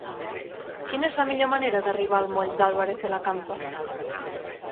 Quina és la millor manera d'arribar al moll d'Álvarez de la Campa?